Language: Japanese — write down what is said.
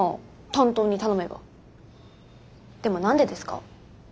でもなんでですか？